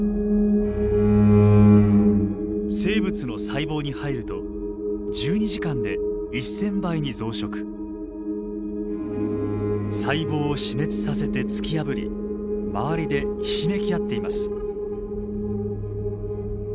生物の細胞に入ると１２時間で細胞を死滅させて突き破り周りでひしめき合っています。